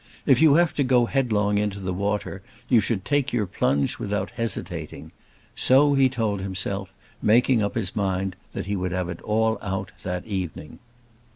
If you have to go headlong into the water you should take your plunge without hesitating. So he told himself, making up his mind that he would have it all out that evening.